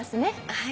はい。